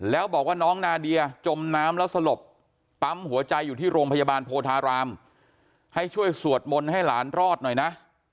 แล้วบอกว่าน้องนาเดียจมน้ำแล้วสลบปั๊มหัวใจอยู่ที่โรงพยาบาลโพธารามให้ช่วยสวดมนต์ให้หลานรอดหน่อยนะ